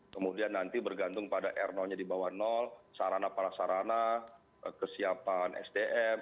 kemudian nanti bergantung pada r nya di bawah sarana prasarana kesiapan sdm